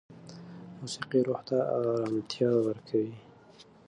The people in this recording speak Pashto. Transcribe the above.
موسیقي روح ته ارامتیا ورکوي.